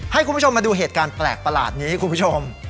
ให้คุณผู้ชมมาดูเหตุการณ์แปลกประหลาดนี้คุณผู้ชม